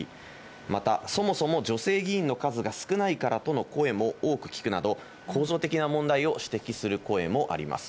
また、そもそも女性議員の数が少ないからとの声も多く聞くなど、構造的な問題を指摘する声もあります。